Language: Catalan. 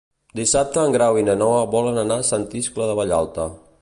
Dissabte en Grau i na Noa volen anar a Sant Iscle de Vallalta.